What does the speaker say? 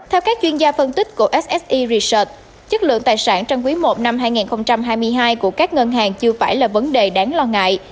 theo các chuyên gia phân tích của sse resort chất lượng tài sản trong quý i năm hai nghìn hai mươi hai của các ngân hàng chưa phải là vấn đề đáng lo ngại